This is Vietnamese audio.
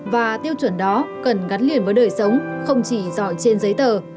và tiêu chuẩn đó cần gắn liền với đời sống không chỉ giỏi trên giấy tờ